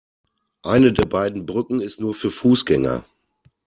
Eine der beiden Brücken ist nur für Fußgänger.